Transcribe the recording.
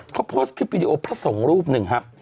เขาโพสต์คลิปวิดีโอพระสงฆ์รูปหนึ่งครับ